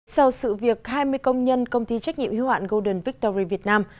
sau sự việc hai mươi công nhân công ty trách nhiệm hữu hạn golden victory việt nam